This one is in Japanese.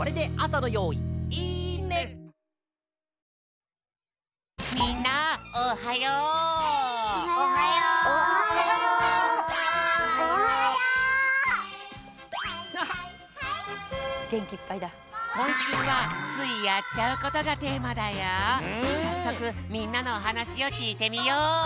さっそくみんなのおはなしをきいてみよう！